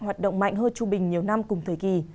hoạt động mạnh hơn trung bình nhiều năm cùng thời kỳ